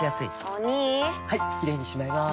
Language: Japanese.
お兄はいキレイにしまいます！